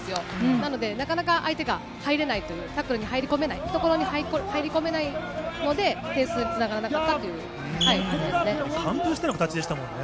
なので、なかなか相手が入れないという、タックルに入り込めない、懐に入り込めないので、点数につながらなかったということですね。